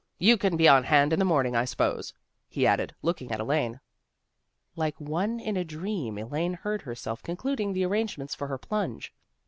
You can be on hand in the morning, I suppose," he added, looking at Elaine. Like one in a dream Elaine heard herself concluding the arrangements for her plunge.